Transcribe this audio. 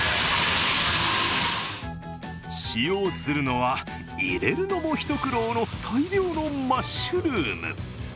使用するのは、入れるのも一苦労の大量のマッシュルーム。